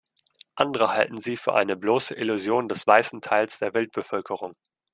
Andere halten sie für eine bloße Illusion des weißen Teils der Weltbevölkerung.